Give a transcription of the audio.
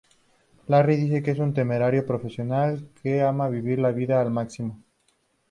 Larry dice que es un temerario profesional que ama vivir la vida al máximo.